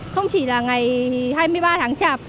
không chỉ là ngày hai mươi ba tháng chạp